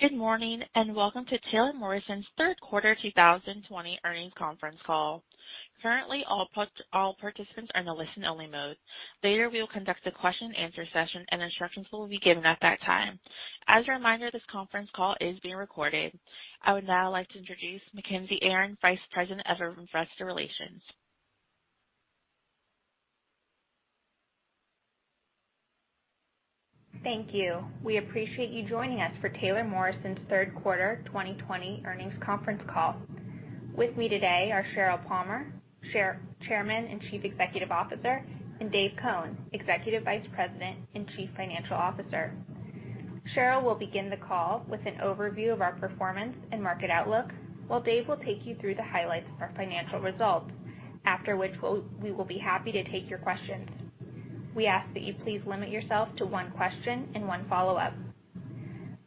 Good morning and welcome to Taylor Morrison's third quarter 2020 earnings conference call. Currently, all participants are in a listen-only mode. Later, we will conduct a question-and-answer session, and instructions will be given at that time. As a reminder, this conference call is being recorded. I would now like to introduce Mackenzie Aron, Vice President of Investor Relations. Thank you. We appreciate you joining us for Taylor Morrison's third quarter 2020 earnings conference call. With me today are Sheryl Palmer, Chairman and Chief Executive Officer, and Dave Cone, Executive Vice President and Chief Financial Officer. Sheryl will begin the call with an overview of our performance and market outlook, while Dave will take you through the highlights of our financial results, after which we will be happy to take your questions. We ask that you please limit yourself to one question and one follow-up.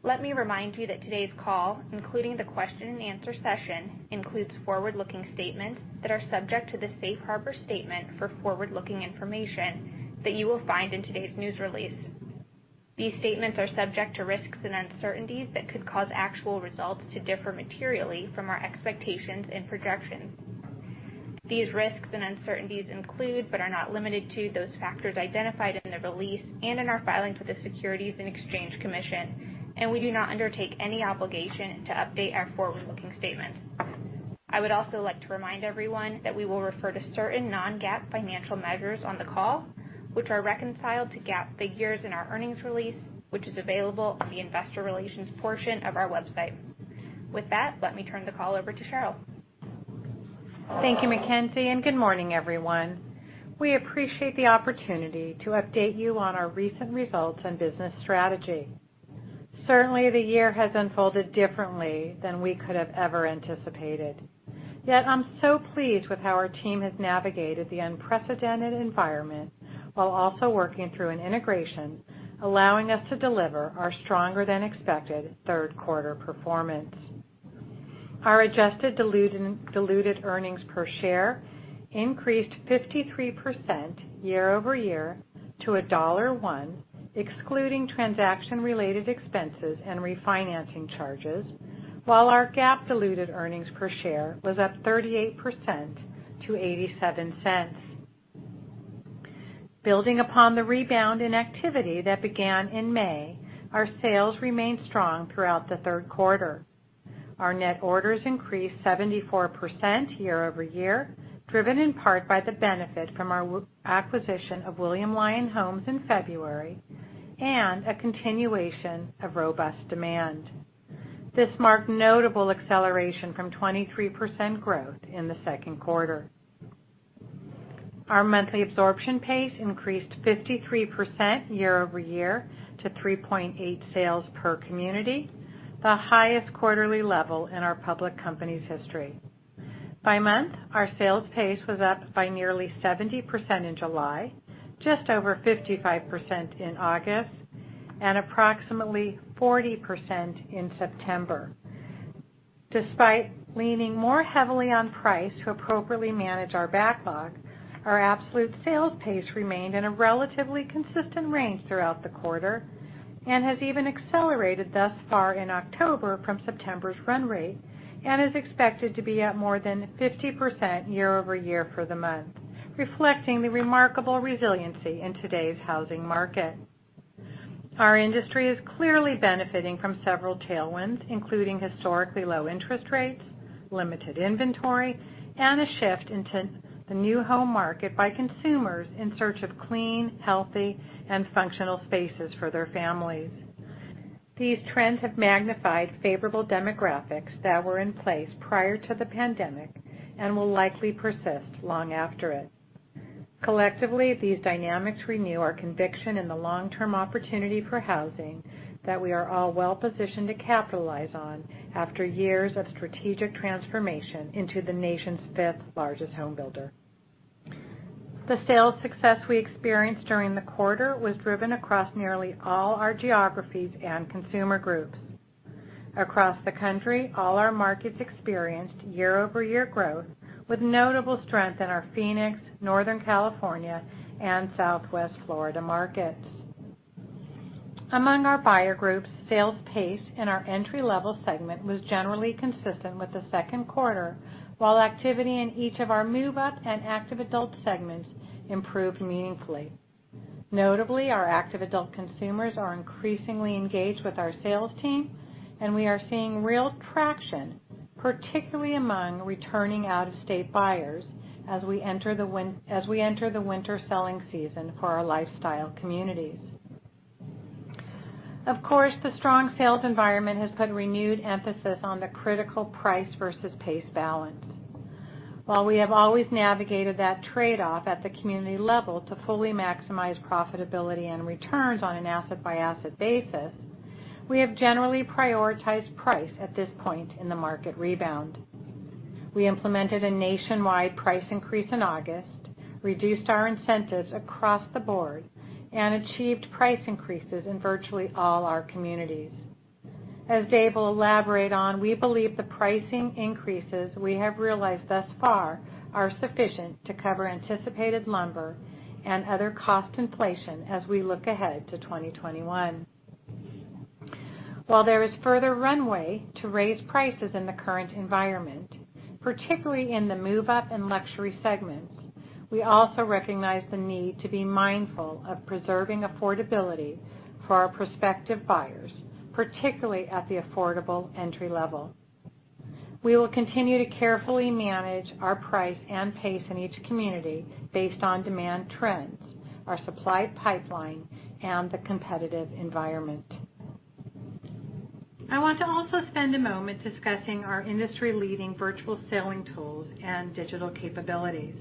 Let me remind you that today's call, including the question-and-answer session, includes forward-looking statements that are subject to the Safe Harbor Statement for forward-looking information that you will find in today's news release. These statements are subject to risks and uncertainties that could cause actual results to differ materially from our expectations and projections. These risks and uncertainties include, but are not limited to, those factors identified in the release and in our filings with the Securities and Exchange Commission, and we do not undertake any obligation to update our forward-looking statements. I would also like to remind everyone that we will refer to certain non-GAAP financial measures on the call, which are reconciled to GAAP figures in our earnings release, which is available on the Investor Relations portion of our website. With that, let me turn the call over to Sheryl. Thank you, Mackenzie, and good morning, everyone. We appreciate the opportunity to update you on our recent results and business strategy. Certainly, the year has unfolded differently than we could have ever anticipated. Yet, I'm so pleased with how our team has navigated the unprecedented environment while also working through an integration allowing us to deliver our stronger-than-expected third quarter performance. Our adjusted diluted earnings per share increased 53% year-over-year to $1.01, excluding transaction-related expenses and refinancing charges, while our GAAP diluted earnings per share was up 38% to $0.87. Building upon the rebound in activity that began in May, our sales remained strong throughout the third quarter. Our net orders increased 74% year-over-year, driven in part by the benefit from our acquisition of William Lyon Homes in February and a continuation of robust demand. This marked notable acceleration from 23% growth in the second quarter. Our monthly absorption pace increased 53% year-over-year to 3.8 sales per community, the highest quarterly level in our public company's history. By month, our sales pace was up by nearly 70% in July, just over 55% in August, and approximately 40% in September. Despite leaning more heavily on price to appropriately manage our backlog, our absolute sales pace remained in a relatively consistent range throughout the quarter and has even accelerated thus far in October from September's run rate and is expected to be at more than 50% year-over-year for the month, reflecting the remarkable resiliency in today's housing market. Our industry is clearly benefiting from several tailwinds, including historically low interest rates, limited inventory, and a shift into the new home market by consumers in search of clean, healthy, and functional spaces for their families. These trends have magnified favorable demographics that were in place prior to the pandemic and will likely persist long after it. Collectively, these dynamics renew our conviction in the long-term opportunity for housing that we are all well-positioned to capitalize on after years of strategic transformation into the nation's fifth-largest homebuilder. The sales success we experienced during the quarter was driven across nearly all our geographies and consumer groups. Across the country, all our markets experienced year-over-year growth, with notable strength in our Phoenix, Northern California, and Southwest Florida markets. Among our buyer groups, sales pace in our entry-level segment was generally consistent with the second quarter, while activity in each of our move-up and active adult segments improved meaningfully. Notably, our active adult consumers are increasingly engaged with our sales team, and we are seeing real traction, particularly among returning out-of-state buyers as we enter the winter selling season for our lifestyle communities. Of course, the strong sales environment has put renewed emphasis on the critical price versus pace balance. While we have always navigated that trade-off at the community level to fully maximize profitability and returns on an asset-by-asset basis, we have generally prioritized price at this point in the market rebound. We implemented a nationwide price increase in August, reduced our incentives across the board, and achieved price increases in virtually all our communities. As Dave will elaborate on, we believe the pricing increases we have realized thus far are sufficient to cover anticipated lumber and other cost inflation as we look ahead to 2021. While there is further runway to raise prices in the current environment, particularly in the move-up and luxury segments, we also recognize the need to be mindful of preserving affordability for our prospective buyers, particularly at the affordable entry level. We will continue to carefully manage our price and pace in each community based on demand trends, our supply pipeline, and the competitive environment. I want to also spend a moment discussing our industry-leading virtual selling tools and digital capabilities.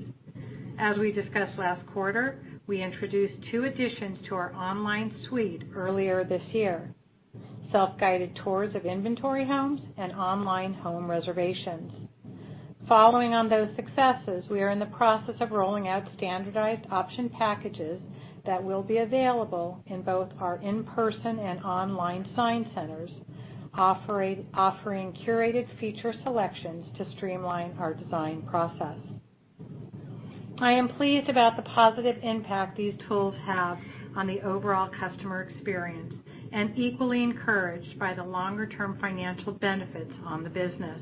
As we discussed last quarter, we introduced two additions to our online suite earlier this year: self-guided tours of inventory homes and online home reservations. Following on those successes, we are in the process of rolling out standardized option packages that will be available in both our in-person and online sign centers, offering curated feature selections to streamline our design process. I am pleased about the positive impact these tools have on the overall customer experience and equally encouraged by the longer-term financial benefits on the business.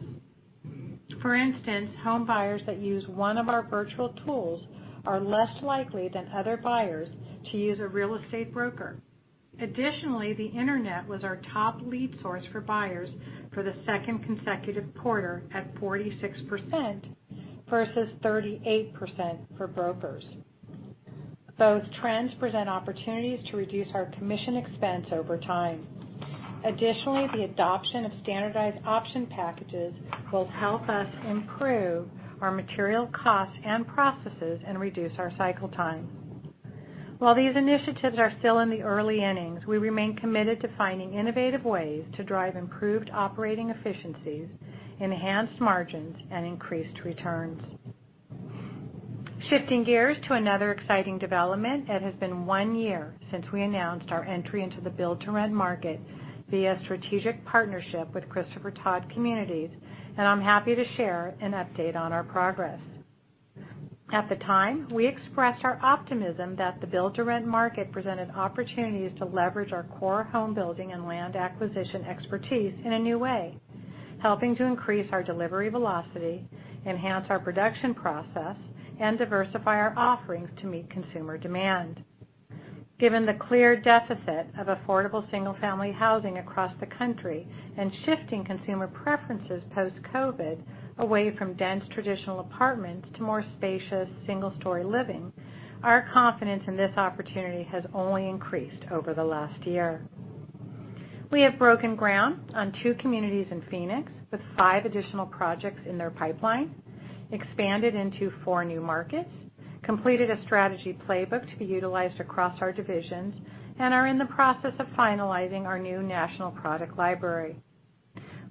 For instance, home buyers that use one of our virtual tools are less likely than other buyers to use a real estate broker. Additionally, the internet was our top lead source for buyers for the second consecutive quarter at 46% versus 38% for brokers. Both trends present opportunities to reduce our commission expense over time. Additionally, the adoption of standardized option packages will help us improve our material costs and processes and reduce our cycle time. While these initiatives are still in the early innings, we remain committed to finding innovative ways to drive improved operating efficiencies, enhanced margins, and increased returns. Shifting gears to another exciting development, it has been one year since we announced our entry into the build-to-rent market via a strategic partnership with Christopher Todd Communities, and I'm happy to share an update on our progress. At the time, we expressed our optimism that the build-to-rent market presented opportunities to leverage our core home building and land acquisition expertise in a new way, helping to increase our delivery velocity, enhance our production process, and diversify our offerings to meet consumer demand. Given the clear deficit of affordable single-family housing across the country and shifting consumer preferences post-COVID away from dense traditional apartments to more spacious single-story living, our confidence in this opportunity has only increased over the last year. We have broken ground on two communities in Phoenix with five additional projects in their pipeline, expanded into four new markets, completed a strategy playbook to be utilized across our divisions, and are in the process of finalizing our new national product library.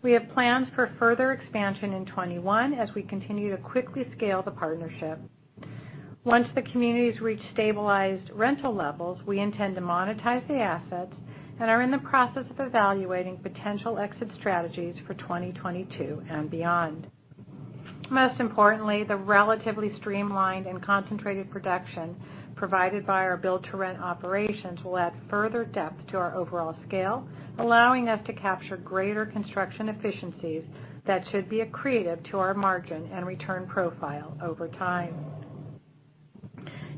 We have plans for further expansion in 2021 as we continue to quickly scale the partnership. Once the communities reach stabilized rental levels, we intend to monetize the assets and are in the process of evaluating potential exit strategies for 2022 and beyond. Most importantly, the relatively streamlined and concentrated production provided by our build-to-rent operations will add further depth to our overall scale, allowing us to capture greater construction efficiencies that should be a credit to our margin and return profile over time.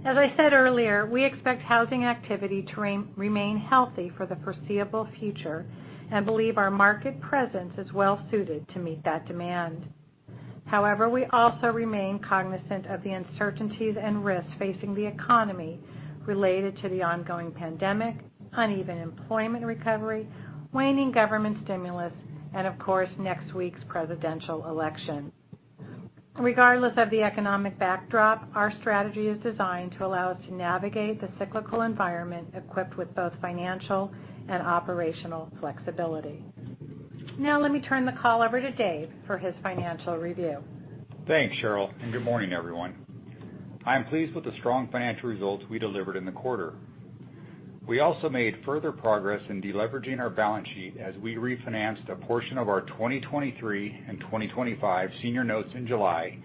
As I said earlier, we expect housing activity to remain healthy for the foreseeable future and believe our market presence is well-suited to meet that demand. However, we also remain cognizant of the uncertainties and risks facing the economy related to the ongoing pandemic, uneven employment recovery, waning government stimulus, and, of course, next week's presidential election. Regardless of the economic backdrop, our strategy is designed to allow us to navigate the cyclical environment equipped with both financial and operational flexibility. Now, let me turn the call over to Dave for his financial review. Thanks, Sheryl, and good morning, everyone. I am pleased with the strong financial results we delivered in the quarter. We also made further progress in deleveraging our balance sheet as we refinanced a portion of our 2023 and 2025 senior notes in July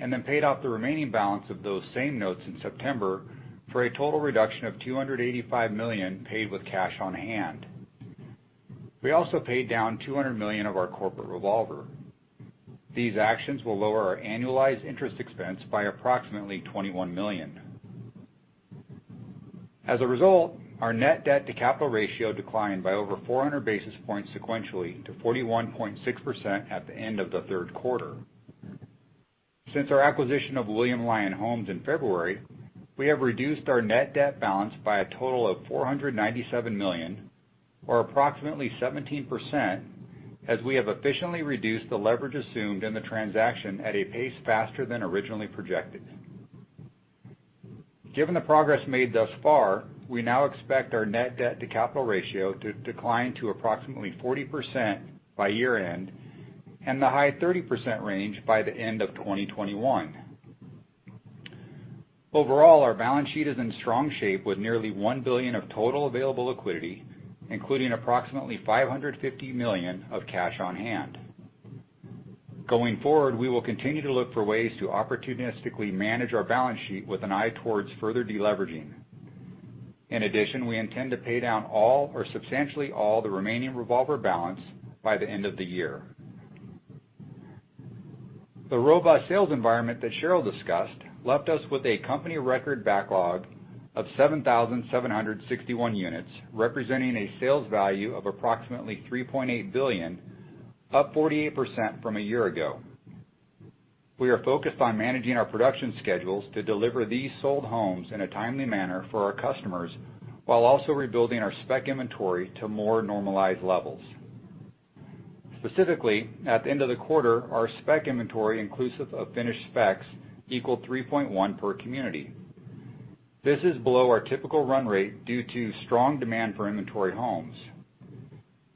and then paid off the remaining balance of those same notes in September for a total reduction of $285 million paid with cash on hand. We also paid down $200 million of our corporate revolver. These actions will lower our annualized interest expense by approximately $21 million. As a result, our net debt-to-capital ratio declined by over 400 basis points sequentially to 41.6% at the end of the third quarter. Since our acquisition of William Lyon Homes in February, we have reduced our net debt balance by a total of $497 million, or approximately 17%, as we have efficiently reduced the leverage assumed in the transaction at a pace faster than originally projected. Given the progress made thus far, we now expect our net debt-to-capital ratio to decline to approximately 40% by year-end and the high 30% range by the end of 2021. Overall, our balance sheet is in strong shape with nearly $1 billion of total available liquidity, including approximately $550 million of cash on hand. Going forward, we will continue to look for ways to opportunistically manage our balance sheet with an eye towards further deleveraging. In addition, we intend to pay down all or substantially all the remaining revolver balance by the end of the year. The robust sales environment that Sheryl discussed left us with a company record backlog of 7,761 units, representing a sales value of approximately $3.8 billion, up 48% from a year ago. We are focused on managing our production schedules to deliver these sold homes in a timely manner for our customers while also rebuilding our spec inventory to more normalized levels. Specifically, at the end of the quarter, our spec inventory, inclusive of finished specs, equaled 3.1 per community. This is below our typical run rate due to strong demand for inventory homes.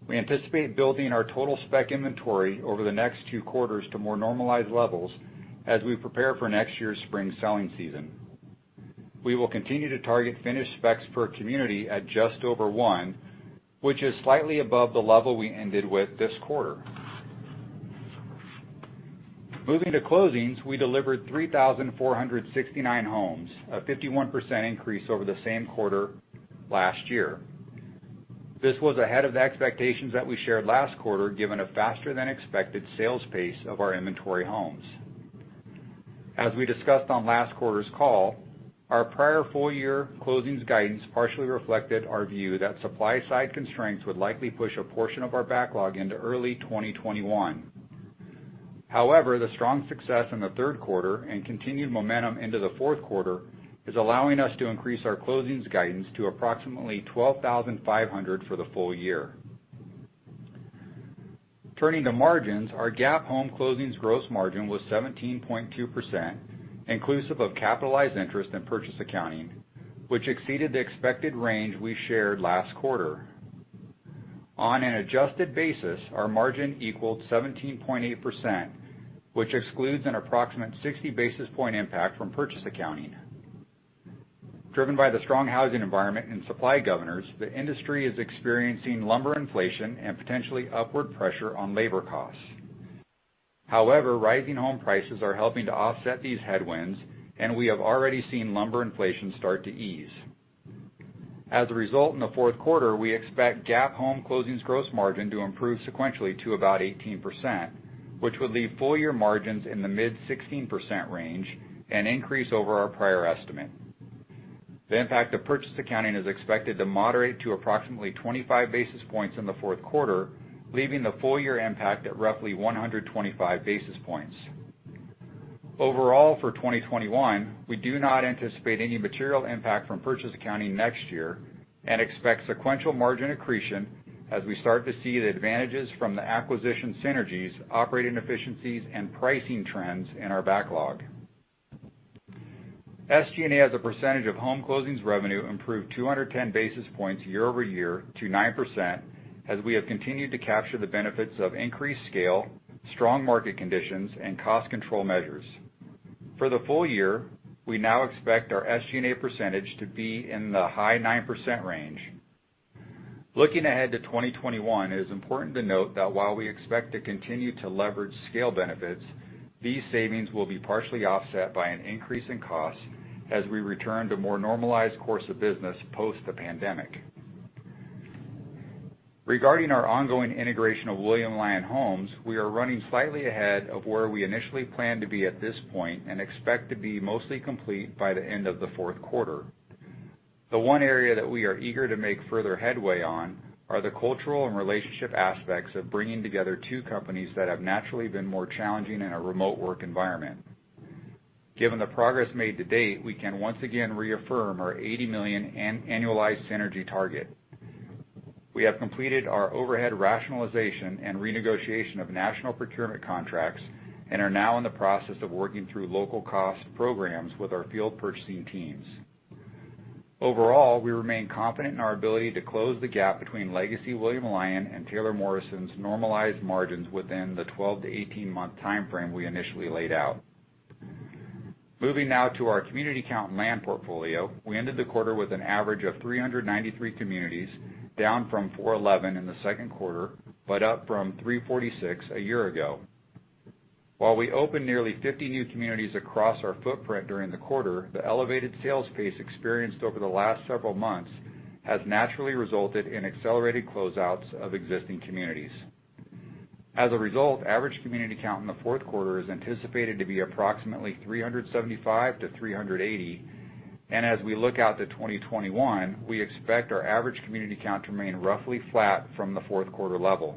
We anticipate building our total spec inventory over the next two quarters to more normalized levels as we prepare for next year's spring selling season. We will continue to target finished specs per community at just over one, which is slightly above the level we ended with this quarter. Moving to closings, we delivered 3,469 homes, a 51% increase over the same quarter last year. This was ahead of the expectations that we shared last quarter, given a faster-than-expected sales pace of our inventory homes. As we discussed on last quarter's call, our prior full-year closings guidance partially reflected our view that supply-side constraints would likely push a portion of our backlog into early 2021. However, the strong success in the third quarter and continued momentum into the fourth quarter is allowing us to increase our closings guidance to approximately 12,500 for the full year. Turning to margins, our GAAP home closings gross margin was 17.2%, inclusive of capitalized interest and purchase accounting, which exceeded the expected range we shared last quarter. On an adjusted basis, our margin equaled 17.8%, which excludes an approximate 60 basis point impact from purchase accounting. Driven by the strong housing environment and supply governors, the industry is experiencing lumber inflation and potentially upward pressure on labor costs. However, rising home prices are helping to offset these headwinds, and we have already seen lumber inflation start to ease. As a result, in the fourth quarter, we expect GAAP home closings gross margin to improve sequentially to about 18%, which would leave full-year margins in the mid-16% range and increase over our prior estimate. The impact of purchase accounting is expected to moderate to approximately 25 basis points in the fourth quarter, leaving the full-year impact at roughly 125 basis points. Overall, for 2021, we do not anticipate any material impact from purchase accounting next year and expect sequential margin accretion as we start to see the advantages from the acquisition synergies, operating efficiencies, and pricing trends in our backlog. SG&A as a percentage of home closings revenue improved 210 basis points year over year to 9% as we have continued to capture the benefits of increased scale, strong market conditions, and cost control measures. For the full year, we now expect our SG&A percentage to be in the high 9% range. Looking ahead to 2021, it is important to note that while we expect to continue to leverage scale benefits, these savings will be partially offset by an increase in costs as we return to a more normalized course of business post the pandemic. Regarding our ongoing integration of William Lyon Homes, we are running slightly ahead of where we initially planned to be at this point and expect to be mostly complete by the end of the fourth quarter. The one area that we are eager to make further headway on are the cultural and relationship aspects of bringing together two companies that have naturally been more challenging in a remote work environment. Given the progress made to date, we can once again reaffirm our $80 million annualized synergy target. We have completed our overhead rationalization and renegotiation of national procurement contracts and are now in the process of working through local cost programs with our field purchasing teams. Overall, we remain confident in our ability to close the gap between Legacy William Lyon and Taylor Morrison's normalized margins within the 12-18-month timeframe we initially laid out. Moving now to our community count and land portfolio, we ended the quarter with an average of 393 communities, down from 411 in the second quarter but up from 346 a year ago. While we opened nearly 50 new communities across our footprint during the quarter, the elevated sales pace experienced over the last several months has naturally resulted in accelerated closeouts of existing communities. As a result, average community count in the fourth quarter is anticipated to be approximately 375-380, and as we look out to 2021, we expect our average community count to remain roughly flat from the fourth quarter level.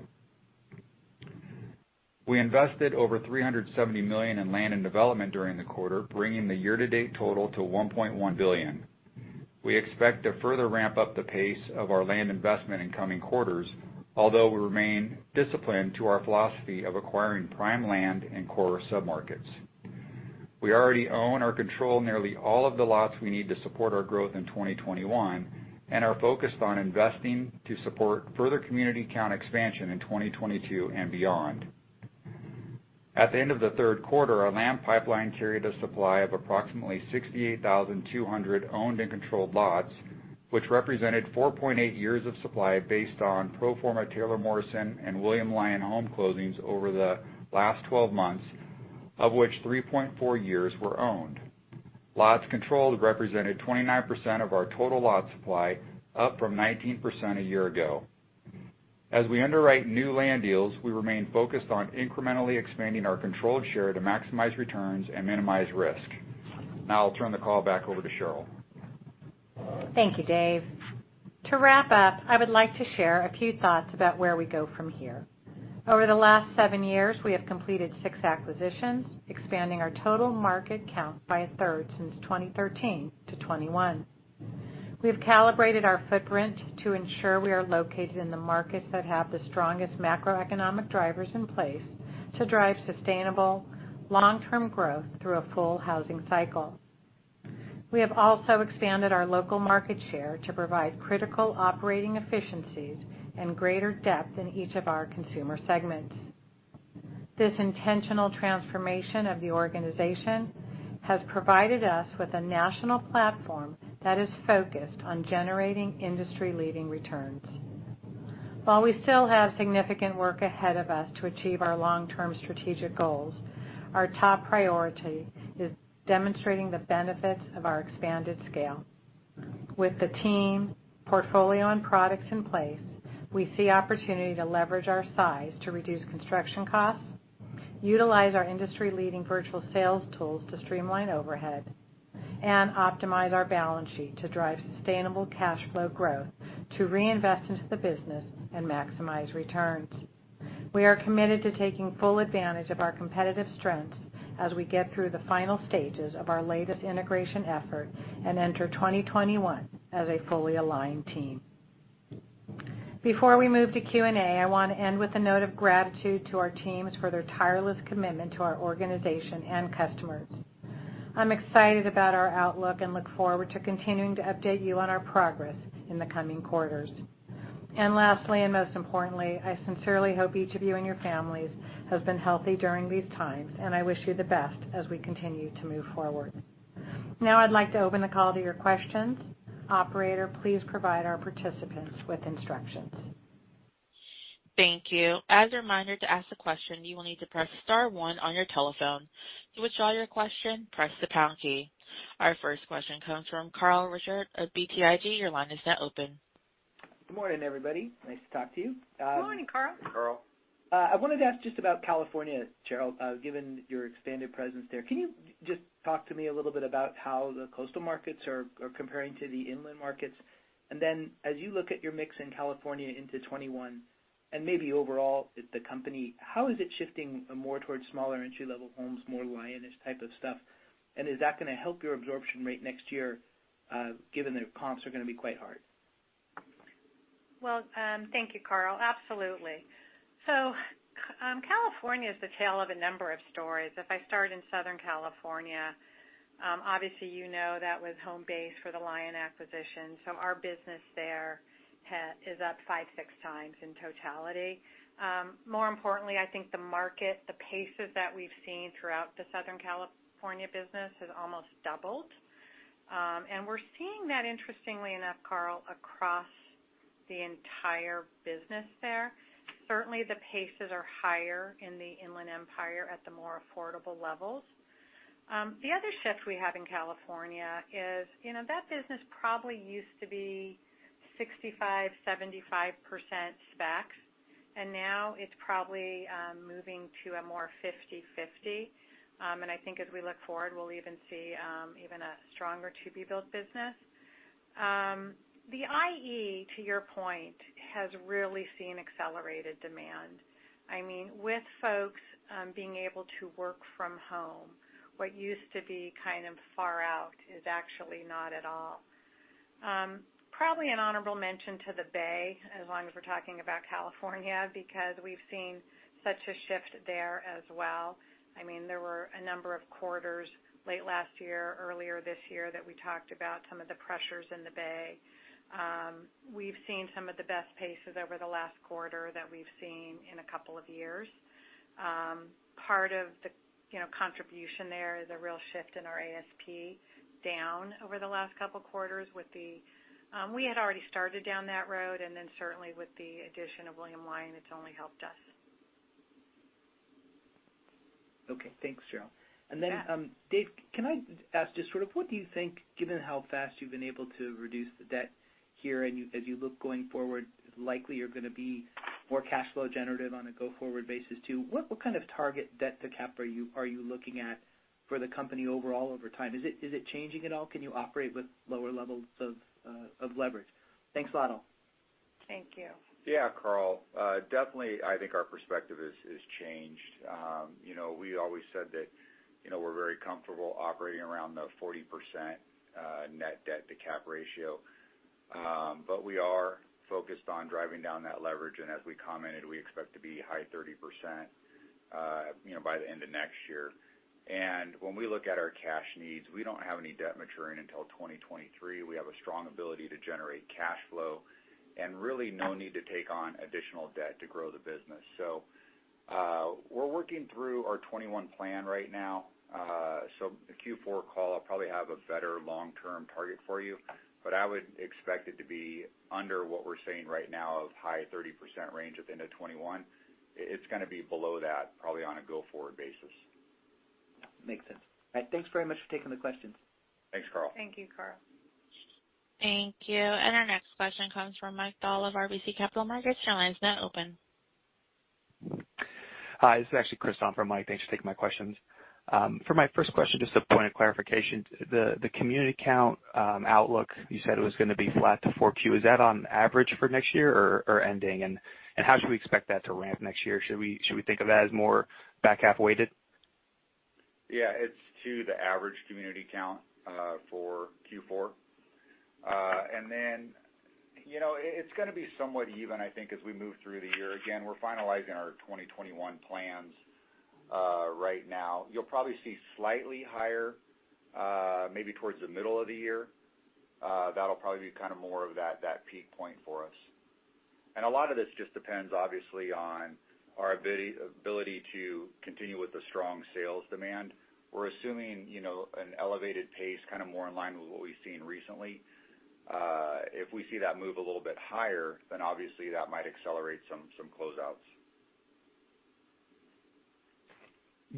We invested over $370 million in land and development during the quarter, bringing the year-to-date total to $1.1 billion. We expect to further ramp up the pace of our land investment in coming quarters, although we remain disciplined to our philosophy of acquiring prime land in core submarkets. We already own or control nearly all of the lots we need to support our growth in 2021 and are focused on investing to support further community count expansion in 2022 and beyond. At the end of the third quarter, our land pipeline carried a supply of approximately 68,200 owned and controlled lots, which represented 4.8 years of supply based on pro forma Taylor Morrison and William Lyon Homes closings over the last 12 months, of which 3.4 years were owned. Lots controlled represented 29% of our total lot supply, up from 19% a year ago. As we underwrite new land deals, we remain focused on incrementally expanding our controlled share to maximize returns and minimize risk. Now, I'll turn the call back over to Sheryl. Thank you, Dave. To wrap up, I would like to share a few thoughts about where we go from here. Over the last seven years, we have completed six acquisitions, expanding our total market count by a third since 2013 to 2021. We have calibrated our footprint to ensure we are located in the markets that have the strongest macroeconomic drivers in place to drive sustainable long-term growth through a full housing cycle. We have also expanded our local market share to provide critical operating efficiencies and greater depth in each of our consumer segments. This intentional transformation of the organization has provided us with a national platform that is focused on generating industry-leading returns. While we still have significant work ahead of us to achieve our long-term strategic goals, our top priority is demonstrating the benefits of our expanded scale. With the team, portfolio, and products in place, we see opportunity to leverage our size to reduce construction costs, utilize our industry-leading virtual sales tools to streamline overhead, and optimize our balance sheet to drive sustainable cash flow growth to reinvest into the business and maximize returns. We are committed to taking full advantage of our competitive strengths as we get through the final stages of our latest integration effort and enter 2021 as a fully aligned team. Before we move to Q&A, I want to end with a note of gratitude to our teams for their tireless commitment to our organization and customers. I'm excited about our outlook and look forward to continuing to update you on our progress in the coming quarters. And lastly, and most importantly, I sincerely hope each of you and your families have been healthy during these times, and I wish you the best as we continue to move forward. Now, I'd like to open the call to your questions. Operator, please provide our participants with instructions. Thank you. As a reminder, to ask a question, you will need to press star one on your telephone. To withdraw your question, press the pound key. Our first question comes from Carl Reichardt of BTIG. Your line is now open. Good morning, everybody. Nice to talk to you. Good morning, Carl. I wanted to ask just about California, Sheryl, given your expanded presence there. Can you just talk to me a little bit about how the coastal markets are comparing to the inland markets? And then, as you look at your mix in California into 2021 and maybe overall the company, how is it shifting more towards smaller entry-level homes, more Lennar-ish type of stuff? And is that going to help your absorption rate next year, given that comps are going to be quite hard? Thank you, Carl. Absolutely. California is the tale of a number of stories. If I start in Southern California, obviously, you know that was home base for the Lyon acquisition. Our business there is up five, six times in totality. More importantly, I think the market, the paces that we've seen throughout the Southern California business has almost doubled. We're seeing that, interestingly enough, Carl, across the entire business there. Certainly, the paces are higher in the Inland Empire at the more affordable levels. The other shift we have in California is that business probably used to be 65%-75% specs, and now it's probably moving to a more 50-50. I think as we look forward, we'll even see a stronger to-be-built business. The IE, to your point, has really seen accelerated demand. I mean, with folks being able to work from home, what used to be kind of far out is actually not at all. Probably an honorable mention to the Bay, as long as we're talking about California, because we've seen such a shift there as well. I mean, there were a number of quarters late last year, earlier this year that we talked about some of the pressures in the Bay. We've seen some of the best paces over the last quarter that we've seen in a couple of years. Part of the contribution there is a real shift in our ASP down over the last couple of quarters with the we had already started down that road, and then certainly with the addition of William Lyon, it's only helped us. Okay. Thanks, Sheryl. And then, Dave, can I ask just sort of what do you think, given how fast you've been able to reduce the debt here and as you look going forward, likely you're going to be more cash flow generative on a go-forward basis too, what kind of target debt to cap are you looking at for the company overall over time? Is it changing at all? Can you operate with lower levels of leverage? Thanks a lot, all. Thank you. Yeah, Carl. Definitely, I think our perspective has changed. We always said that we're very comfortable operating around the 40% net debt to cap ratio, but we are focused on driving down that leverage, and as we commented, we expect to be high 30% by the end of next year, and when we look at our cash needs, we don't have any debt maturing until 2023. We have a strong ability to generate cash flow and really no need to take on additional debt to grow the business, so we're working through our 2021 plan right now, so the Q4 call, I'll probably have a better long-term target for you, but I would expect it to be under what we're seeing right now of high 30% range at the end of 2021. It's going to be below that probably on a go-forward basis. Makes sense. All right. Thanks very much for taking the questions. Thanks, Carl. Thank you, Carl. Thank you, and our next question comes from Mike Dahl of RBC Capital Markets. Your line is now open. Hi. This is actually Chris from Mike. Thanks for taking my questions. For my first question, just a point of clarification, the community count outlook, you said it was going to be flat to 4Q. Is that on average for next year or ending? And how should we expect that to ramp next year? Should we think of that as more back half weighted? Yeah. It's to the average community count for Q4, and then it's going to be somewhat even, I think, as we move through the year. Again, we're finalizing our 2021 plans right now. You'll probably see slightly higher, maybe towards the middle of the year. That'll probably be kind of more of that peak point for us, and a lot of this just depends, obviously, on our ability to continue with the strong sales demand. We're assuming an elevated pace, kind of more in line with what we've seen recently. If we see that move a little bit higher, then obviously that might accelerate some closeouts.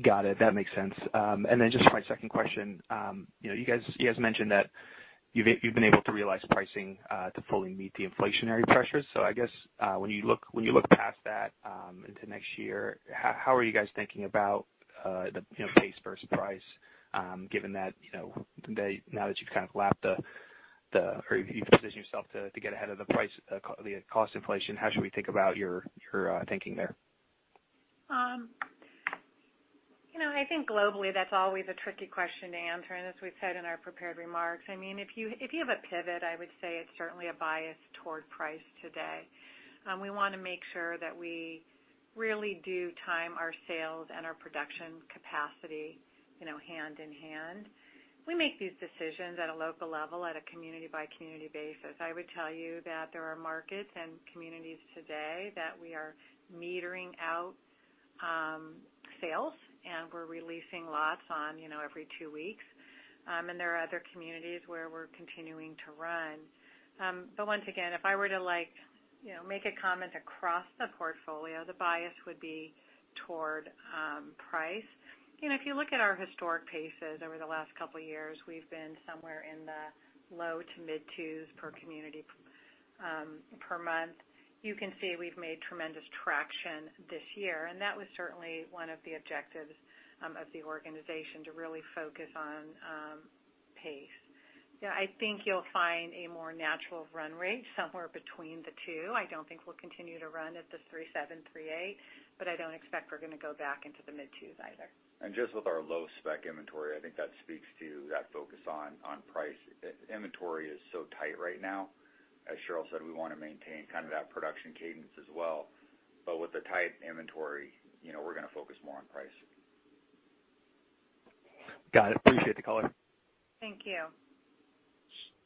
Got it. That makes sense. And then just my second question, you guys mentioned that you've been able to realize pricing to fully meet the inflationary pressures. So I guess when you look past that into next year, how are you guys thinking about the pace versus price, given that now that you've kind of lapped the or you've positioned yourself to get ahead of the cost inflation, how should we think about your thinking there? I think globally, that's always a tricky question to answer, and as we said in our prepared remarks, I mean, if you have a pivot, I would say it's certainly a bias toward price today. We want to make sure that we really do time our sales and our production capacity hand in hand. We make these decisions at a local level, at a community-by-community basis. I would tell you that there are markets and communities today that we are metering out sales, and we're releasing lots on every two weeks. And there are other communities where we're continuing to run. But once again, if I were to make a comment across the portfolio, the bias would be toward price. If you look at our historic paces over the last couple of years, we've been somewhere in the low to mid-two per community per month. You can see we've made tremendous traction this year, and that was certainly one of the objectives of the organization to really focus on pace. Yeah, I think you'll find a more natural run rate somewhere between the two. I don't think we'll continue to run at the 3.7, 3.8, but I don't expect we're going to go back into the mid-two either. Just with our low spec inventory, I think that speaks to that focus on price. Inventory is so tight right now. As Sheryl said, we want to maintain kind of that production cadence as well. But with the tight inventory, we're going to focus more on price. Got it. Appreciate the color. Thank you.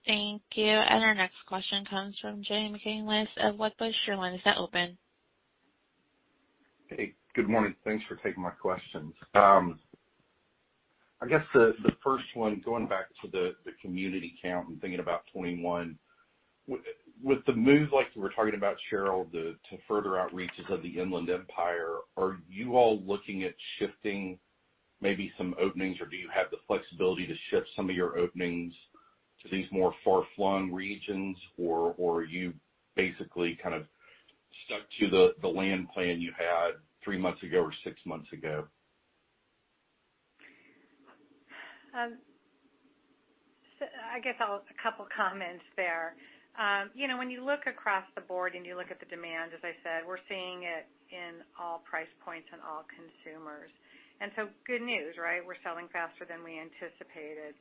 Thank you. And our next question comes from Jay McCanless with Wedbush Securities. Your line is now open. Hey, good morning. Thanks for taking my questions. I guess the first one, going back to the community count and thinking about 2021, with the move like you were talking about, Sheryl, to further outreaches of the Inland Empire, are you all looking at shifting maybe some openings, or do you have the flexibility to shift some of your openings to these more far-flung regions, or are you basically kind of stuck to the land plan you had three months ago or six months ago? I guess a couple of comments there. When you look across the board and you look at the demand, as I said, we're seeing it in all price points and all consumers. And so good news, right? We're selling faster than we anticipated.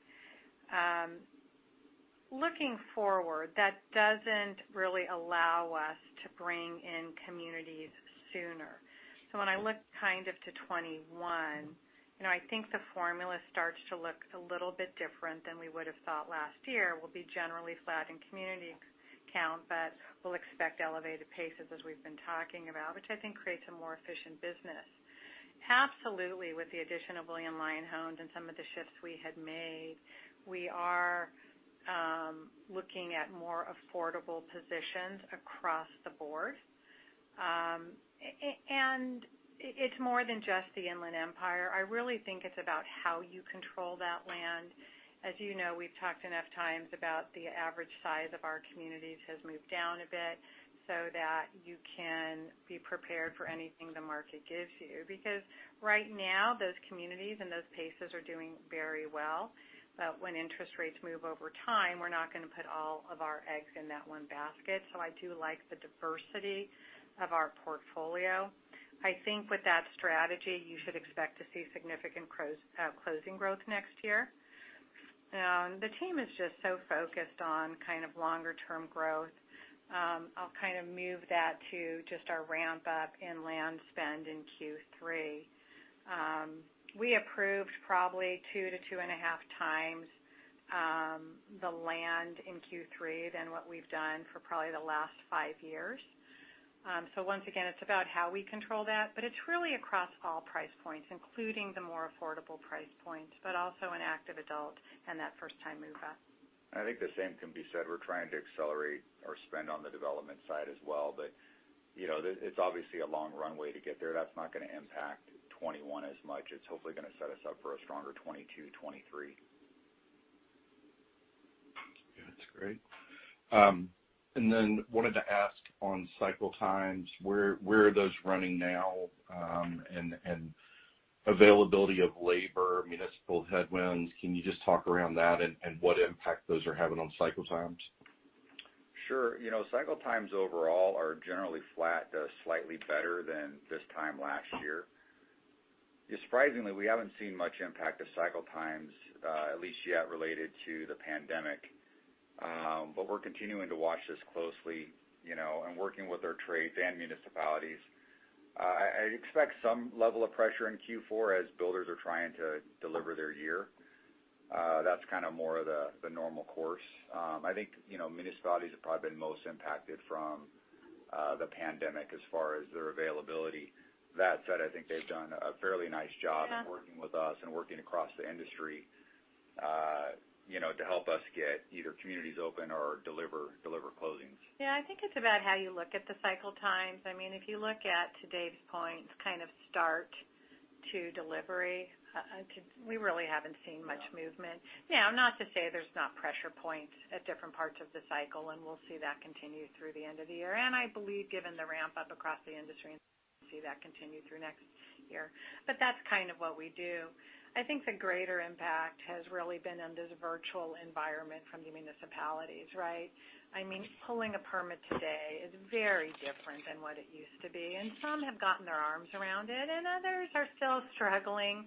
Looking forward, that doesn't really allow us to bring in communities sooner. So when I look kind of to 2021, I think the formula starts to look a little bit different than we would have thought last year. We'll be generally flat in community count, but we'll expect elevated paces as we've been talking about, which I think creates a more efficient business. Absolutely, with the addition of William Lyon Homes and some of the shifts we had made, we are looking at more affordable positions across the board. And it's more than just the Inland Empire. I really think it's about how you control that land. As you know, we've talked enough times about the average size of our communities has moved down a bit so that you can be prepared for anything the market gives you. Because right now, those communities and those paces are doing very well. But when interest rates move over time, we're not going to put all of our eggs in that one basket. So I do like the diversity of our portfolio. I think with that strategy, you should expect to see significant closing growth next year. The team is just so focused on kind of longer-term growth. I'll kind of move that to just our ramp-up in land spend in Q3. We approved probably two to two and a half times the land in Q3 than what we've done for probably the last five years. So once again, it's about how we control that, but it's really across all price points, including the more affordable price points, but also an active adult and that first-time move-up. I think the same can be said. We're trying to accelerate our spend on the development side as well, but it's obviously a long runway to get there. That's not going to impact 2021 as much. It's hopefully going to set us up for a stronger 2022, 2023. Yeah, that's great, and then wanted to ask on cycle times, where are those running now and availability of labor, municipal headwinds? Can you just talk around that and what impact those are having on cycle times? Sure. Cycle times overall are generally flat to slightly better than this time last year. Surprisingly, we haven't seen much impact of cycle times, at least yet related to the pandemic. But we're continuing to watch this closely and working with our trades and municipalities. I expect some level of pressure in Q4 as builders are trying to deliver their year. That's kind of more of the normal course. I think municipalities have probably been most impacted from the pandemic as far as their availability. That said, I think they've done a fairly nice job of working with us and working across the industry to help us get either communities open or deliver closings. Yeah. I think it's about how you look at the cycle times. I mean, if you look at today's point, kind of start to delivery, we really haven't seen much movement. Now, not to say there's not pressure points at different parts of the cycle, and we'll see that continue through the end of the year. And I believe, given the ramp-up across the industry, we'll see that continue through next year. But that's kind of what we do. I think the greater impact has really been in this virtual environment from the municipalities, right? I mean, pulling a permit today is very different than what it used to be. And some have gotten their arms around it, and others are still struggling.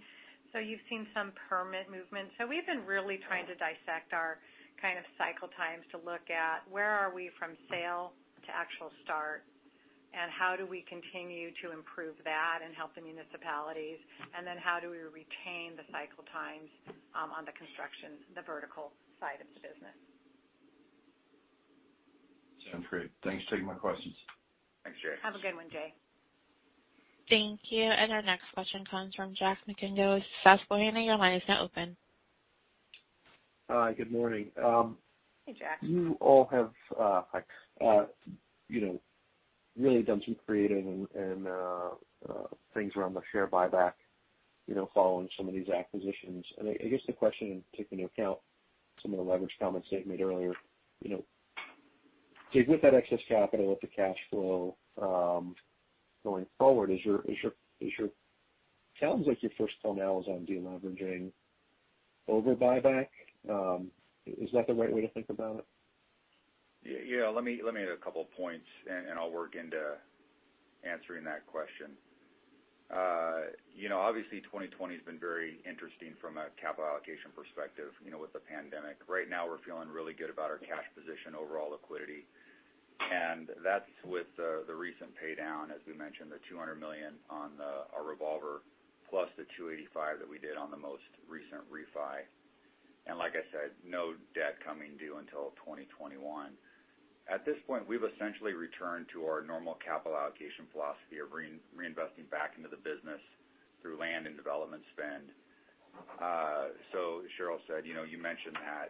So you've seen some permit movement. So we've been really trying to dissect our kind of cycle times to look at where are we from sale to actual start, and how do we continue to improve that and help the municipalities? And then how do we retain the cycle times on the construction, the vertical side of the business? Sounds great. Thanks for taking my questions. Thanks, Jay. Have a good one, Jay. Thank you. Our next question comes from Jack Micenko with Susquehanna Financial Group. Your line is now open. Good morning. Hey, Jack. You all have really done some creative things around the share buyback following some of these acquisitions. And I guess the question, in taking into account some of the leverage comments they've made earlier, with that excess capital, with the cash flow going forward, is, it sounds like your first call now is on deleveraging over buyback. Is that the right way to think about it? Yeah. Let me add a couple of points, and I'll work into answering that question. Obviously, 2020 has been very interesting from a capital allocation perspective with the pandemic. Right now, we're feeling really good about our cash position, overall liquidity. And that's with the recent paydown, as we mentioned, the $200 million on our revolver, plus the $285 million that we did on the most recent refi. And like I said, no debt coming due until 2021. At this point, we've essentially returned to our normal capital allocation philosophy of reinvesting back into the business through land and development spend. So Sheryl said, you mentioned that.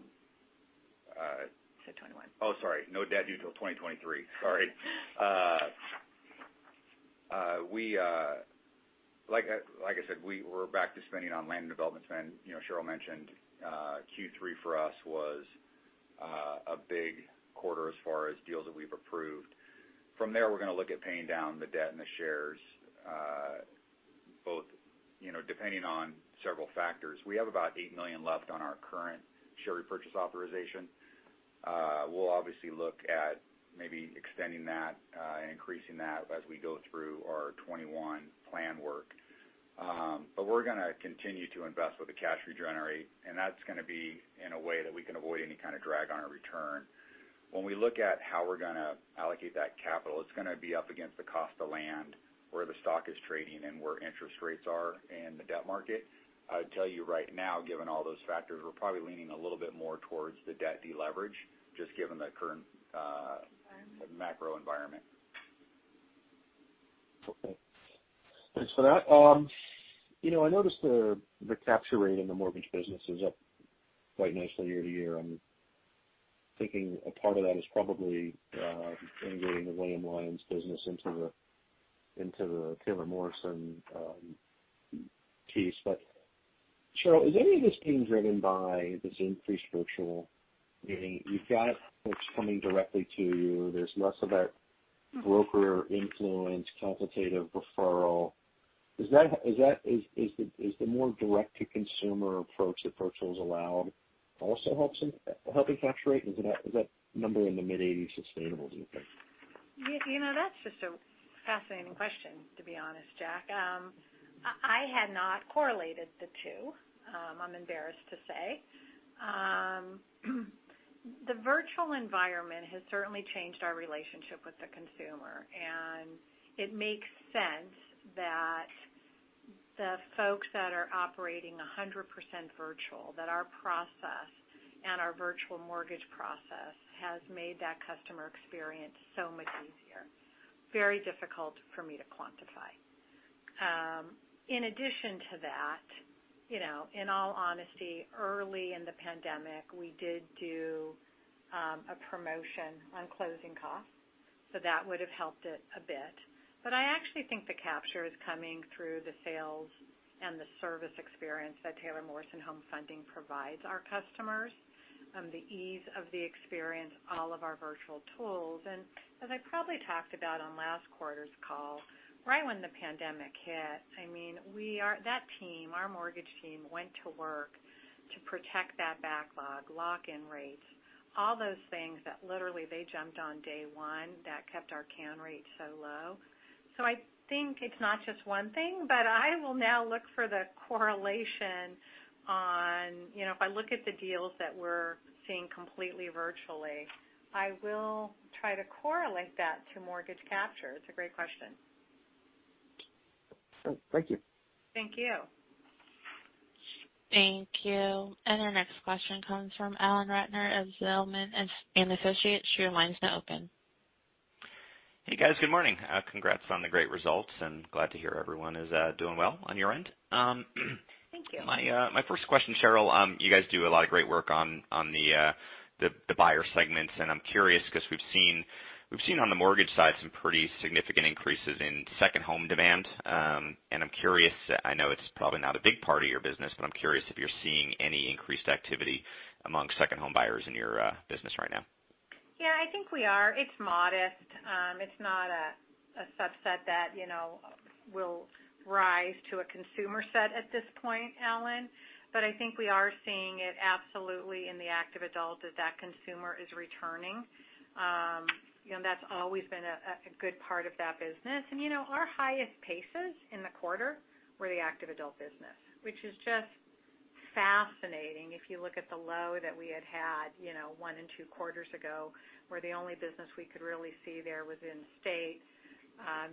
You said 2021. Oh, sorry. No debt due till 2023. Sorry. Like I said, we're back to spending on land and development spend. Sheryl mentioned Q3 for us was a big quarter as far as deals that we've approved. From there, we're going to look at paying down the debt and the shares, both depending on several factors. We have about eight million left on our current share repurchase authorization. We'll obviously look at maybe extending that and increasing that as we go through our 2021 plan work. But we're going to continue to invest with a cash generation. And that's going to be in a way that we can avoid any kind of drag on our return. When we look at how we're going to allocate that capital, it's going to be up against the cost of land where the stock is trading and where interest rates are and the debt market. I would tell you right now, given all those factors, we're probably leaning a little bit more towards the debt deleverage, just given the current macro environment. Thanks for that. I noticed the capture rate in the mortgage business is up quite nicely year to year. I'm thinking a part of that is probably integrating the William Lyon business into the Taylor Morrison piece. But Sheryl, is any of this being driven by this increased virtual? You've got it, it's coming directly to you. There's less of that broker influence, consultative referral. Is the more direct-to-consumer approach that virtual is allowed also helping capture rate? Is that number in the mid-80s sustainable, do you think? That's just a fascinating question, to be honest, Jack. I had not correlated the two. I'm embarrassed to say. The virtual environment has certainly changed our relationship with the consumer. And it makes sense that the folks that are operating 100% virtual, that our process and our virtual mortgage process has made that customer experience so much easier. Very difficult for me to quantify. In addition to that, in all honesty, early in the pandemic, we did do a promotion on closing costs. So that would have helped it a bit. But I actually think the capture is coming through the sales and the service experience that Taylor Morrison Home Funding provides our customers, the ease of the experience, all of our virtual tools. And as I probably talked about on last quarter's call, right when the pandemic hit, I mean, that team, our mortgage team, went to work to protect that backlog, lock-in rates, all those things that literally they jumped on day one that kept our cancel rate so low. So I think it's not just one thing, but I will now look for the correlation on if I look at the deals that we're seeing completely virtually, I will try to correlate that to mortgage capture. It's a great question. Thank you. Thank you. Thank you. And our next question comes from Alan Ratner of Zelman & Associates. Your line is now open. Hey, guys. Good morning. Congrats on the great results. And glad to hear everyone is doing well on your end. Thank you. My first question, Sheryl, you guys do a lot of great work on the buyer segments. And I'm curious because we've seen on the mortgage side some pretty significant increases in second home demand. And I'm curious, I know it's probably not a big part of your business, but I'm curious if you're seeing any increased activity among second home buyers in your business right now. Yeah, I think we are. It's modest. It's not a subset that will rise to a consumer set at this point, Alan. But I think we are seeing it absolutely in the active adult as that consumer is returning. That's always been a good part of that business. And our highest paces in the quarter were the active adult business, which is just fascinating if you look at the low that we had had one and two quarters ago, where the only business we could really see there was in-state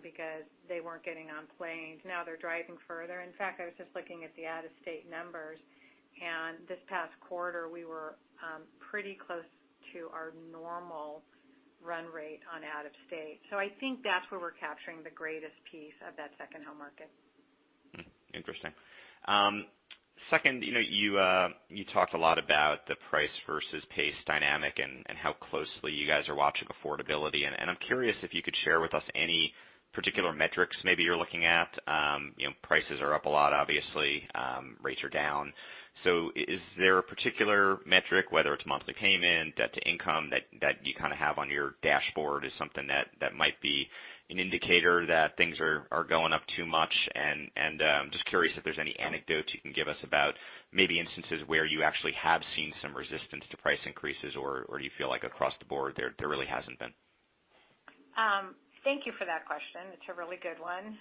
because they weren't getting on planes. Now they're driving further. In fact, I was just looking at the out-of-state numbers. And this past quarter, we were pretty close to our normal run rate on out-of-state. So I think that's where we're capturing the greatest piece of that second home market. Interesting. Second, you talked a lot about the price versus pace dynamic and how closely you guys are watching affordability. And I'm curious if you could share with us any particular metrics maybe you're looking at. Prices are up a lot, obviously. Rates are down. So is there a particular metric, whether it's monthly payment, debt to income, that you kind of have on your dashboard as something that might be an indicator that things are going up too much? And just curious if there's any anecdotes you can give us about maybe instances where you actually have seen some resistance to price increases, or do you feel like across the board there really hasn't been? Thank you for that question. It's a really good one.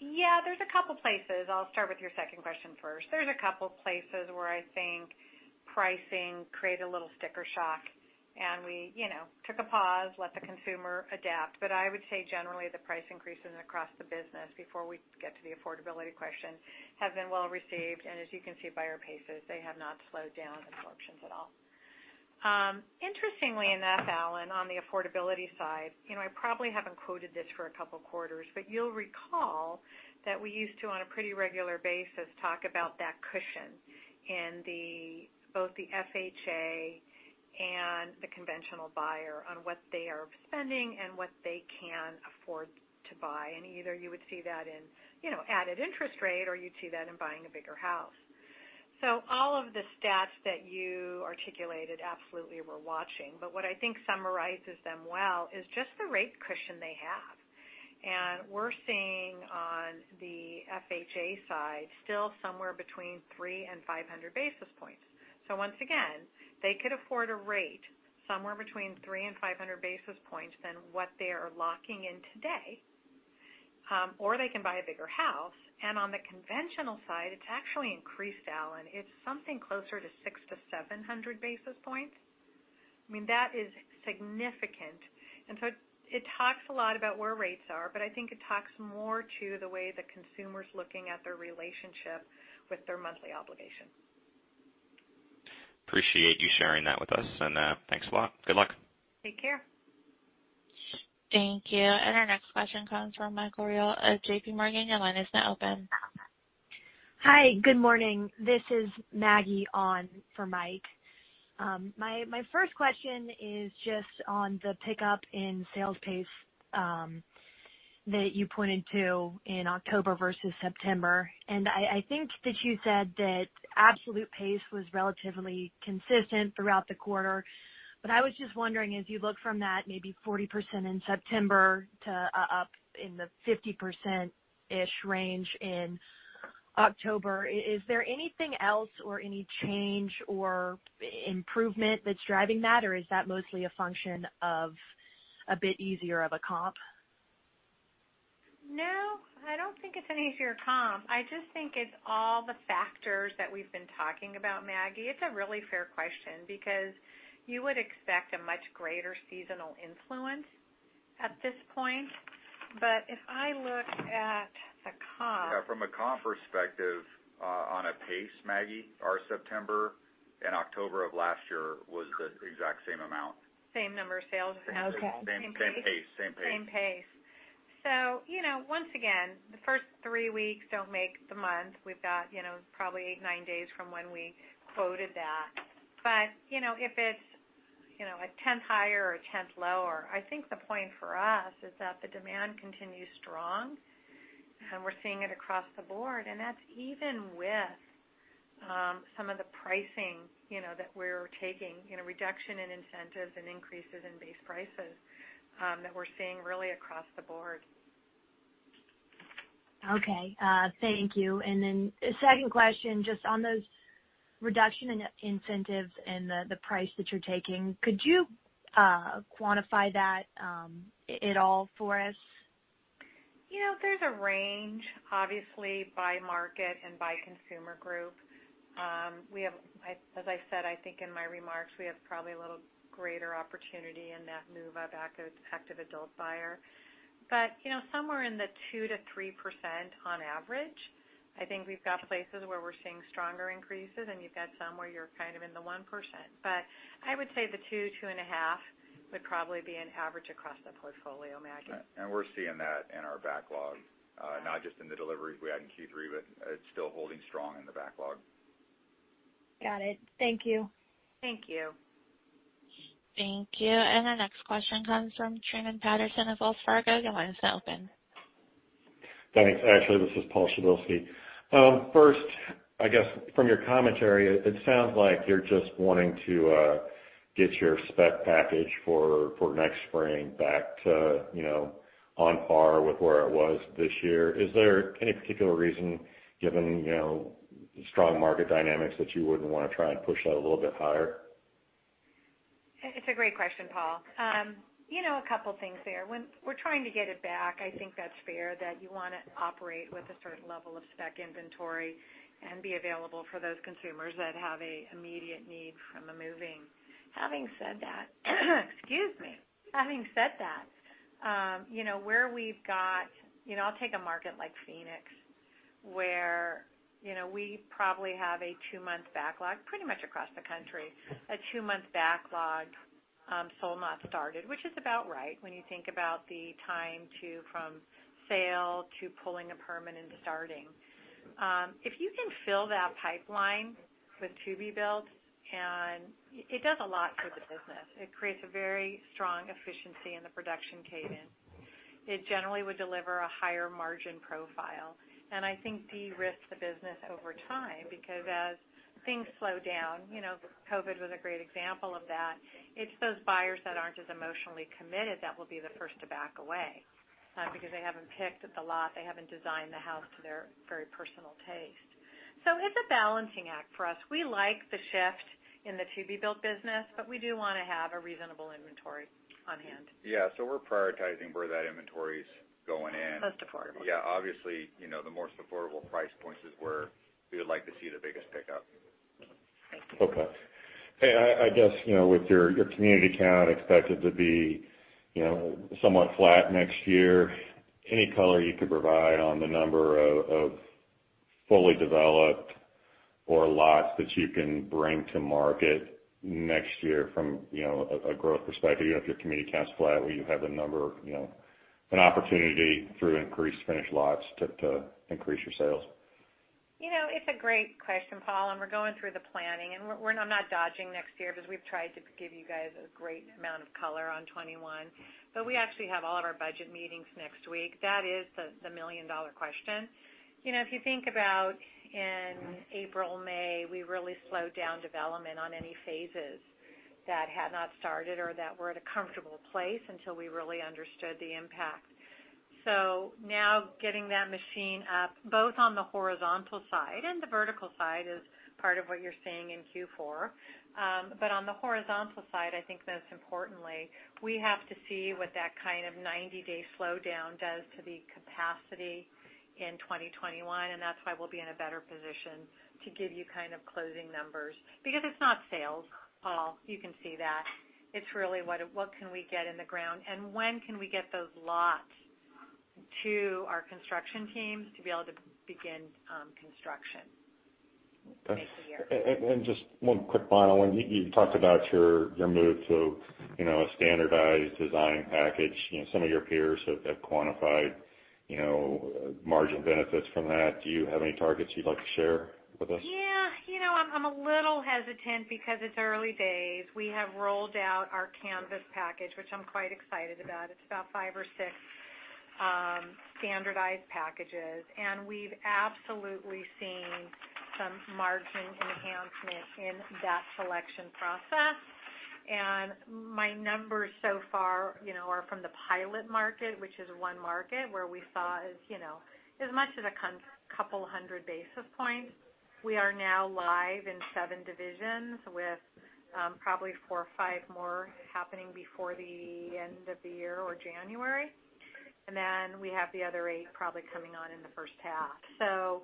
Yeah, there's a couple of places. I'll start with your second question first. There's a couple of places where I think pricing created a little sticker shock and we took a pause, let the consumer adapt, but I would say generally the price increases across the business before we get to the affordability question have been well received and as you can see by our paces, they have not slowed down absorptions at all. Interestingly enough, Alan, on the affordability side, I probably haven't quoted this for a couple of quarters, but you'll recall that we used to, on a pretty regular basis, talk about that cushion in both the FHA and the conventional buyer on what they are spending and what they can afford to buy. Either you would see that in added interest rate, or you'd see that in buying a bigger house. So all of the stats that you articulated absolutely we're watching. But what I think summarizes them well is just the rate cushion they have. And we're seeing on the FHA side still somewhere between 3 and 500 basis points. So once again, they could afford a rate somewhere between 3 and 500 basis points than what they are locking in today. Or they can buy a bigger house. And on the conventional side, it's actually increased, Alan. It's something closer to 6 to 700 basis points. I mean, that is significant. And so it talks a lot about where rates are, but I think it talks more to the way the consumer's looking at their relationship with their monthly obligation. Appreciate you sharing that with us, and thanks a lot. Good luck. Take care. Thank you. And our next question comes from Michael Rehaut of J.P. Morgan. Your line is now open. Hi, good morning. This is Maggie on for Mike. My first question is just on the pickup in sales pace that you pointed to in October versus September, and I think that you said that absolute pace was relatively consistent throughout the quarter, but I was just wondering, as you look from that maybe 40% in September to up in the 50%-ish range in October, is there anything else or any change or improvement that's driving that, or is that mostly a function of a bit easier of a comp? No, I don't think it's an easier comp. I just think it's all the factors that we've been talking about, Maggie. It's a really fair question because you would expect a much greater seasonal influence at this point. But if I look at the comp. Yeah, from a comp perspective on a pace, Maggie, our September and October of last year was the exact same amount. Same number of sales. Same pace. Same pace. Same pace. Same pace. So once again, the first three weeks don't make the month. We've got probably eight, nine days from when we quoted that. But if it's a tenth higher or a tenth lower, I think the point for us is that the demand continues strong. And we're seeing it across the board. And that's even with some of the pricing that we're taking, reduction in incentives and increases in base prices that we're seeing really across the board. Okay. Thank you. And then second question, just on those reduction in incentives and the price that you're taking, could you quantify that at all for us? There's a range, obviously, by market and by consumer group. As I said, I think in my remarks, we have probably a little greater opportunity in that move-up active adult buyer. But somewhere in the 2%-3% on average, I think we've got places where we're seeing stronger increases. And you've got some where you're kind of in the 1%. But I would say the 2, 2.5 would probably be an average across the portfolio, Maggie. We're seeing that in our backlog, not just in the deliveries we had in Q3, but it's still holding strong in the backlog. Got it. Thank you. Thank you. Thank you. And our next question comes from Truman Patterson of Wells Fargo. Your line is now open. Thanks. Actually, this is Paul Przybylski. First, I guess from your commentary, it sounds like you're just wanting to get your spec package for next spring back to on par with where it was this year. Is there any particular reason, given strong market dynamics, that you wouldn't want to try and push that a little bit higher? It's a great question, Paul. A couple of things there. When we're trying to get it back, I think that's fair that you want to operate with a certain level of spec inventory and be available for those consumers that have an immediate need from a moving. Having said that, excuse me, having said that, where we've got, I'll take a market like Phoenix, where we probably have a two-month backlog, pretty much across the country, a two-month backlog sold, not started, which is about right when you think about the time from sale to pulling a permit and starting. If you can fill that pipeline with to-be-built, it does a lot for the business. It creates a very strong efficiency in the production cadence. It generally would deliver a higher margin profile. And I think de-risk the business over time because as things slow down, COVID was a great example of that. It's those buyers that aren't as emotionally committed that will be the first to back away because they haven't picked at the lot. They haven't designed the house to their very personal taste. So it's a balancing act for us. We like the shift in the to-be-built business, but we do want to have a reasonable inventory on hand. Yeah. So we're prioritizing where that inventory is going in. Most affordable. Yeah. Obviously, the most affordable price points is where we would like to see the biggest pickup. Thank you. Okay. Hey, I guess with your community count expected to be somewhat flat next year, any color you could provide on the number of fully developed or lots that you can bring to market next year from a growth perspective, even if your community count's flat, where you have an opportunity through increased finished lots to increase your sales? It's a great question, Paul. And we're going through the planning. And I'm not dodging next year because we've tried to give you guys a great amount of color on 2021. But we actually have all of our budget meetings next week. That is the million-dollar question. If you think about in April, May, we really slowed down development on any phases that had not started or that were at a comfortable place until we really understood the impact. So now getting that machine up, both on the horizontal side and the vertical side is part of what you're seeing in Q4. But on the horizontal side, I think most importantly, we have to see what that kind of 90-day slowdown does to the capacity in 2021. And that's why we'll be in a better position to give you kind of closing numbers. Because it's not sales, Paul. You can see that. It's really what can we get in the ground? And when can we get those lots to our construction teams to be able to begin construction next year? And just one quick final one. You talked about your move to a standardized design package. Some of your peers have quantified margin benefits from that. Do you have any targets you'd like to share with us? Yeah. I'm a little hesitant because it's early days. We have rolled out our Canvas package, which I'm quite excited about. It's about five or six standardized packages. And we've absolutely seen some margin enhancement in that selection process. And my numbers so far are from the pilot market, which is one market where we saw as much as a couple hundred basis points. We are now live in seven divisions with probably four or five more happening before the end of the year or January. And then we have the other eight probably coming on in the first half. So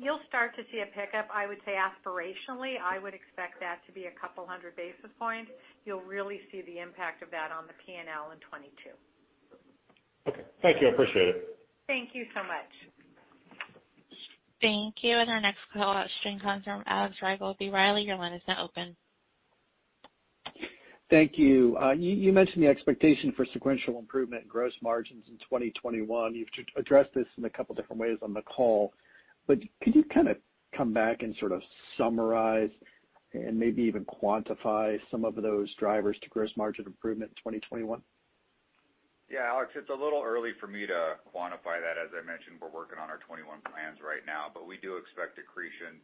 you'll start to see a pickup. I would say aspirationally, I would expect that to be a couple hundred basis points. You'll really see the impact of that on the P&L in 2022. Okay. Thank you. I appreciate it. Thank you so much. Thank you. And our next call, stream comes from Alex Rygiel of B. Riley Securities. Your line is now open. Thank you. You mentioned the expectation for sequential improvement in gross margins in 2021. You've addressed this in a couple of different ways on the call. But could you kind of come back and sort of summarize and maybe even quantify some of those drivers to gross margin improvement in 2021? Yeah, Alex, it's a little early for me to quantify that. As I mentioned, we're working on our 2021 plans right now. But we do expect accretion.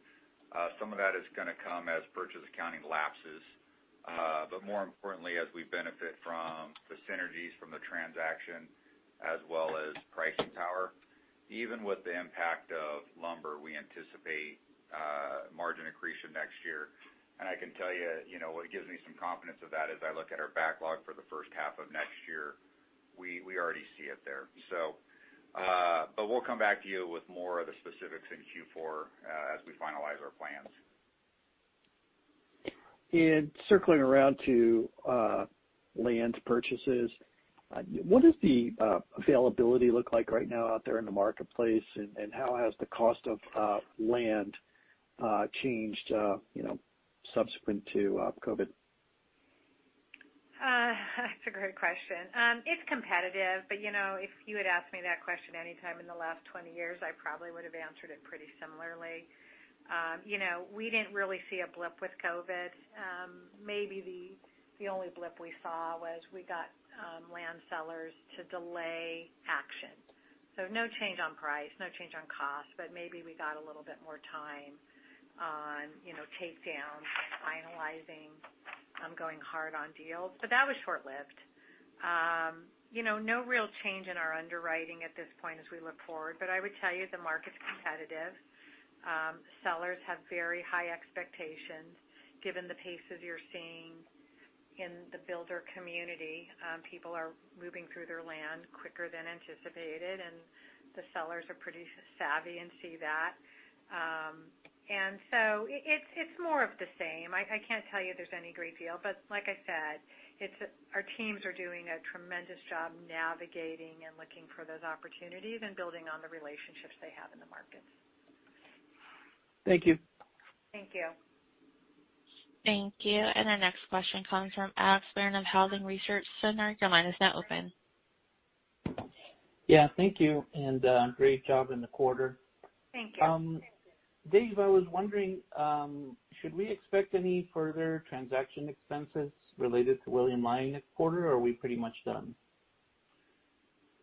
Some of that is going to come as purchase accounting lapses. But more importantly, as we benefit from the synergies from the transaction, as well as pricing power, even with the impact of lumber, we anticipate margin accretion next year. And I can tell you what gives me some confidence of that as I look at our backlog for the first half of next year. We already see it there. But we'll come back to you with more of the specifics in Q4 as we finalize our plans. Circling around to land purchases, what does the availability look like right now out there in the marketplace? How has the cost of land changed subsequent to COVID? That's a great question. It's competitive. But if you had asked me that question anytime in the last 20 years, I probably would have answered it pretty similarly. We didn't really see a blip with COVID. Maybe the only blip we saw was we got land sellers to delay action. So no change on price, no change on cost. But maybe we got a little bit more time on takedowns, finalizing, going hard on deals. But that was short-lived. No real change in our underwriting at this point as we look forward. But I would tell you the market's competitive. Sellers have very high expectations given the pace as you're seeing in the builder community. People are moving through their land quicker than anticipated. And the sellers are pretty savvy and see that. And so it's more of the same. I can't tell you there's any great deal. But like I said, our teams are doing a tremendous job navigating and looking for those opportunities and building on the relationships they have in the markets. Thank you. Thank you. Thank you. And our next question comes from Alex Barron of Housing Research Center. Your line is now open. Yeah. Thank you and great job in the quarter. Thank you. Dave, I was wondering, should we expect any further transaction expenses related to William Lyon next quarter, or are we pretty much done?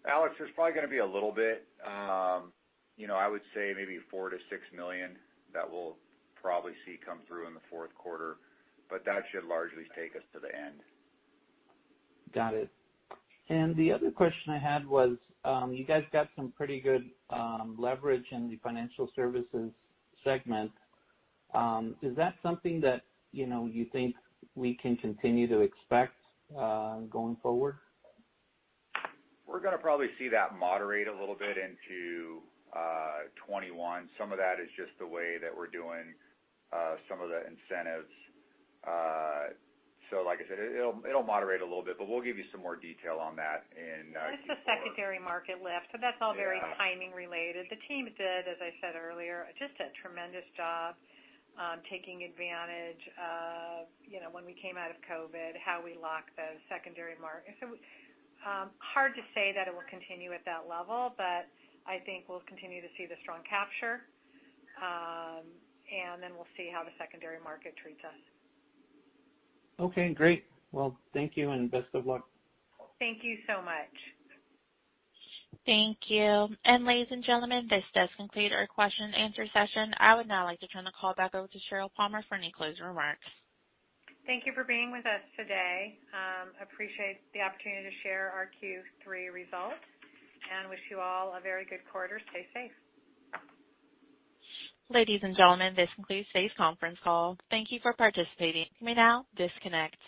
Alex, there's probably going to be a little bit. I would say maybe $4 million-$6 million that we'll probably see come through in the fourth quarter. But that should largely take us to the end. Got it. And the other question I had was you guys got some pretty good leverage in the financial services segment. Is that something that you think we can continue to expect going forward? We're going to probably see that moderate a little bit into 2021. Some of that is just the way that we're doing some of the incentives. So like I said, it'll moderate a little bit. But we'll give you some more detail on that in. There's a secondary market left, but that's all very timing related. The team did, as I said earlier, just a tremendous job taking advantage of when we came out of COVID, how we locked the secondary market, so hard to say that it will continue at that level, but I think we'll continue to see the strong capture, and then we'll see how the secondary market treats us. Okay. Great, well, thank you and best of luck. Thank you so much. Thank you. And ladies and gentlemen, this does conclude our question-and-answer session. I would now like to turn the call back over to Sheryl Palmer for any closing remarks. Thank you for being with us today. Appreciate the opportunity to share our Q3 results, and wish you all a very good quarter. Stay safe. Ladies and gentlemen, this concludes today's conference call. Thank you for participating. You may now disconnect.